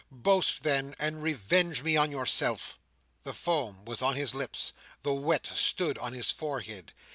Boast then, and revenge me on yourself." The foam was on his lips; the wet stood on his forehead.